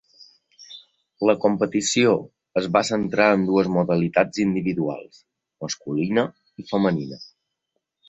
La competició es va centrar en dues modalitats individuals, masculina i femenina.